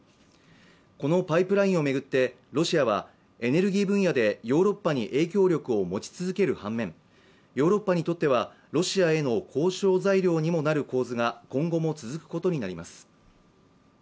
このパイプラインを巡ってロシアは、エネルギー分野でヨーロッパに影響力を持ち続ける反面ヨーロッパにとっては、ロシアへの交渉材料にもなる構図が今後も続くことになります。